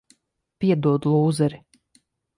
Piedod, lūzeri.